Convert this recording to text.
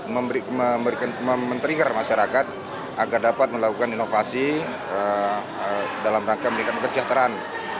memberikan menteringkan masyarakat agar dapat melakukan inovasi dalam rangka menikmati kesejahteraan